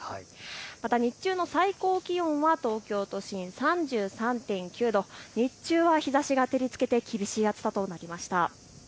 また日中の最高気温は東京都心、３３．９度、日中は日ざしが照りつけて厳しい暑さとなりました。